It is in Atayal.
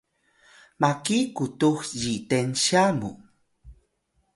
maki qutux zitensya mu